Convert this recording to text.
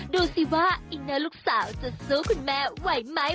ดูสิว่าอินเนอร์ลูกสาวจะสู้คุณแม่ไหวไหม